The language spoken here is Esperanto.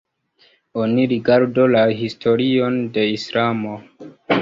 Oni rigardu la historion de islamo.